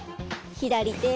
左手。